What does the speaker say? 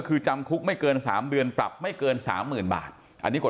คือจำคุกไม่เกิน๓เดือนปรับไม่เกิน๓๐๐๐บาทอันนี้กฎ